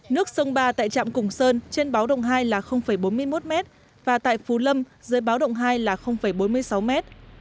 nước sông ba tại trạm cùng sơn trên báo động hai là bốn mươi một m và tại phú lâm dưới báo động hai là bốn mươi sáu mét